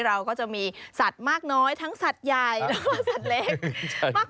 เราก็จะมีสัตว์มากน้อยทั้งสัตว์ใหญ่แล้วก็สัตว์เล็กมาก